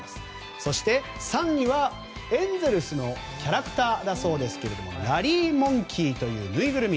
そして３位はエンゼルスのキャラクターだそうですがラリーモンキーというぬいぐるみ。